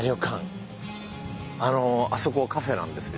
あのあそこカフェなんですよ。